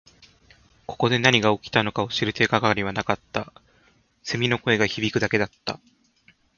ここで何が起きたのかを知る手がかりはなかった。蝉の声が響くだけだった。